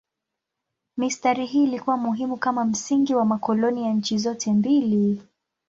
Mistari hii ilikuwa muhimu kama msingi wa makoloni ya nchi zote mbili.